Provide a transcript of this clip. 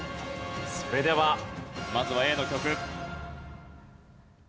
それではまずはＡの曲。